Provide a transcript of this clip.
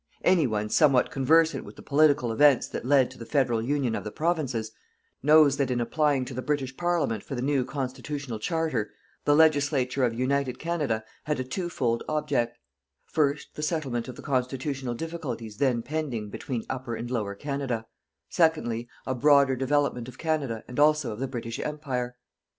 Any one somewhat conversant with the political events that led to the Federal Union of the Provinces knows that in applying to the British Parliament for the new Constitutional Charter, the Legislature of United Canada had a twofold object: first, the settlement of the constitutional difficulties then pending between Upper and Lower Canada; secondly, a broader development of Canada and also of the British Empire.